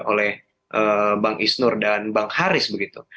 oleh bang isnur dan bang haris begitu